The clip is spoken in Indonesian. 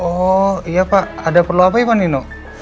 oh iya pak ada perlu apa iban nino